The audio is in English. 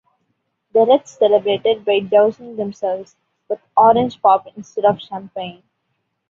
The Reds celebrated by dousing themselves with orange pop instead of champagne.